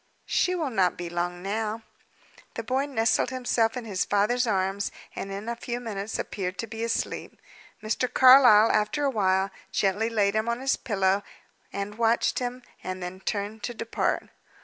"She will not be long now." The boy nestled himself in his father's arms, and in a few minutes appeared to be asleep. Mr. Carlyle, after a while, gently laid him on his pillow, and watched him, and then turned to depart.